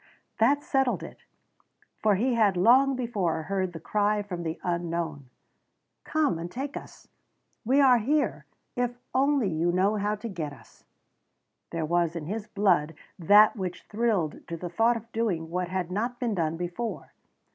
That settled it, for he had long before heard the cry from the unknown: "Come out and take us! We are here if only you know how to get us." There was in his blood that which thrilled to the thought of doing what had not been done before.